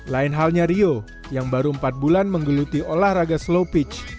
lain halnya rio yang baru empat bulan menggeluti olahraga slow pitch